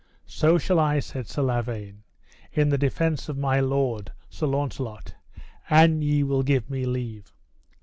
So shall I, said Sir Lavaine, in the defence of my lord, Sir Launcelot, an ye will give me leave.